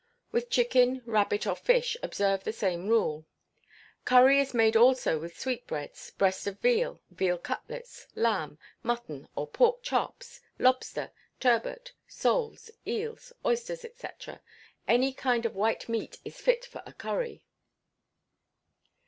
With chicken, rabbit, or fish, observe the same rule. Curry is made also with sweetbreads, breast of veal, veal cutlets, lamb, mutton or pork chops, lobster, turbot, soles, eels, oysters, &c. Any kind of white meat is fit for a curry.